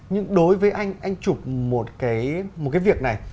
nhưng đối với anh anh chụp một cái việc này